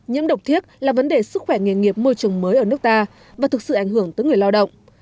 nhiễm độc thiết là vấn đề sức khỏe nghề nghiệp môi trường mới ở nước ta và thực sự ảnh hưởng tới người lao động